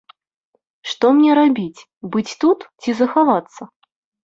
Што мне рабіць, быць тут ці захавацца?